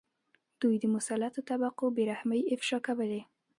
دوی د مسلطو طبقو بې رحمۍ افشا کولې.